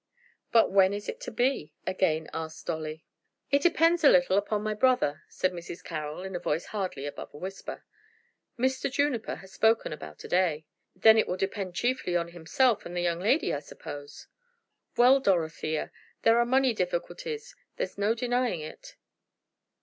"But when is it to be?" again asked Dolly. "That depends a little upon my brother," said Mrs. Carroll, in a voice hardly above a whisper. "Mr. Juniper has spoken about a day." "Then it will depend chiefly on himself and the young lady, I suppose?" "Well, Dorothea, there are money difficulties. There's no denying it."